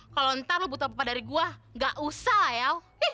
kalau ntar lo butuh apa dari gue gak usah lah ya